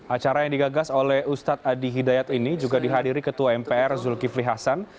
acara yang digagas oleh ustadz adi hidayat ini juga dihadiri ketua mpr zulkifli hasan